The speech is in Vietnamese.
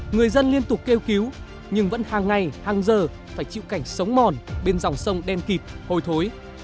người dân liên tục kêu cứu nhưng vẫn hàng ngày hàng giờ phải chịu cảnh sống mòn bên dòng sông đen kịp hồi thối